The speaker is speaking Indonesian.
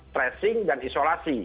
tracing dan isolasi